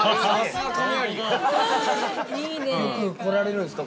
よく来られるんですか？